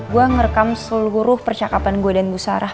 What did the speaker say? gue ngerekam seluruh percakapan gue dan bu sarah